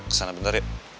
kesana bentar yuk